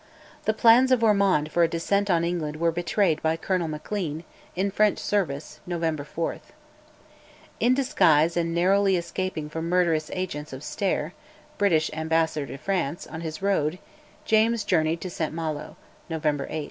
The plans of Ormonde for a descent on England were betrayed by Colonel Maclean, in French service (November 4). In disguise and narrowly escaping from murderous agents of Stair (British ambassador to France) on his road, {254b} James journeyed to St Malo (November 8).